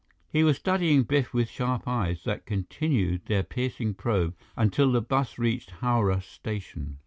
He was studying Biff with sharp eyes that continued their piercing probe until the bus reached Howrah Station.